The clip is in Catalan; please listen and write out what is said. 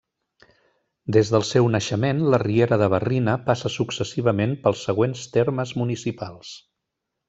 Des del seu naixement, la Riera de Barrina passa successivament pels següents termes municipals.